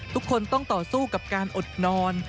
ทุกคนต้องต่อสู้กับการอดนอน